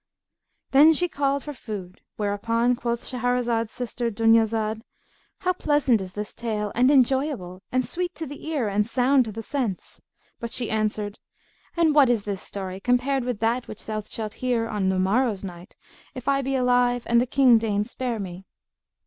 Then she called for food" Whereupon quoth Shahrazad's sister Dunyazad, "How pleasant is this tale and enjoyable and sweet to the ear and sound to the sense!" But she answered, "And what is this story compared with that which thou shalt hear on the morrow's night, if I be alive and the King deign spare me!"